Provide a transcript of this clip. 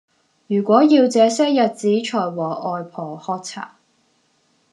如果要這些日子才和外婆喝茶